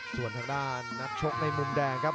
ส่วนทางด้านนักชกในมุมแดงครับ